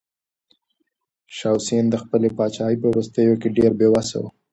شاه حسين د خپلې پاچاهۍ په وروستيو کې ډېر بې وسه و.